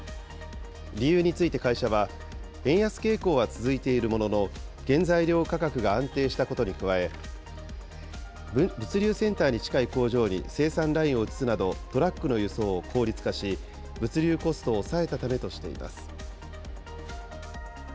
理由について会社は、円安傾向は続いているものの、原材料価格が安定したことに加え、物流センターに近い工場に生産ラインを移すなど、トラックの輸送を効率化し、物流コストを抑えたためとしています。